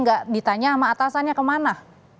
nggak ditanya sama atasannya kemana